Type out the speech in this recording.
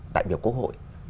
đại biểu quốc hội